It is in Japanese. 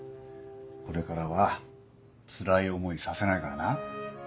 これからはつらい思いさせないからな。